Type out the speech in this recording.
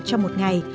trong một ngày